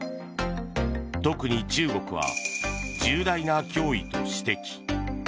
特に中国は重大な脅威と指摘。